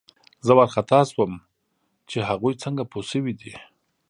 زه وارخطا شوم چې هغوی څنګه پوه شوي دي